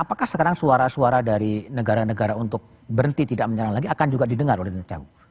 apakah sekarang suara suara dari negara negara untuk berhenti tidak menyerang lagi akan juga didengar oleh netahu